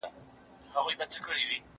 زه بايد مېوې وچوم!.